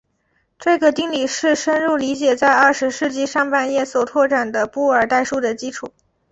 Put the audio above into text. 这个定理是深入理解在二十世纪上半叶所拓展的布尔代数的基础。